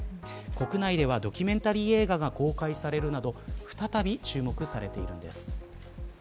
国内ではドキュメンタリー映画が公開されるなど再び、注目されているんです。